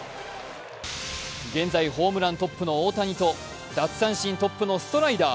現在、ホームラントップの大谷と奪三振トップのストライダー。